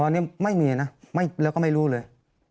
ตอนนี้ไม่มีนะแล้วก็ไม่รู้เลย